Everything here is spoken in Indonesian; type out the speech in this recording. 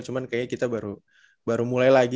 cuman kayaknya kita baru mulai lagi